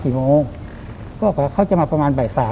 เค้าก็บอกว่าเค้าจะมาประมาณว่า๑๓